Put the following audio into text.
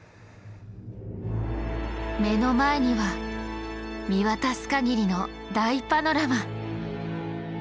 目の前には見渡す限りの大パノラマ！